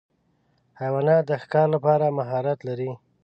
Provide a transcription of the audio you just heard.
حیوانات د ښکار لپاره مهارت لري.